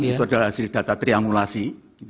itu adalah hasil data trianulasi